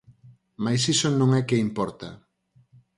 Máis iso non é que importa.